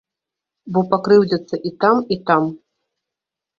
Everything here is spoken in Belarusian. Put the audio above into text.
Бо пакрыўдзяцца і там, і там.